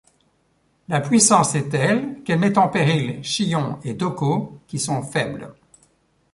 La puissance est telle qu'elle met en péril Shion et Dohko qui sont faibles.